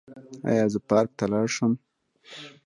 ایا زه پارک ته لاړ شم؟